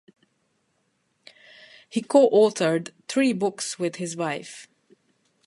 He co-authored three books with his wife.